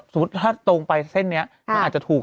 สมมุติถ้าตรงไปเส้นนี้มันอาจจะถูก